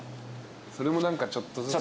それも何かちょっとずつ。